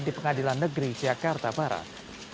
di pengadilan negeri jakarta barat